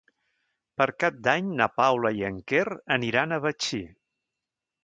Per Cap d'Any na Paula i en Quer aniran a Betxí.